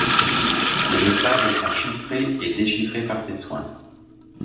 Les messages sont chiffrés et déchiffrés par ses soins.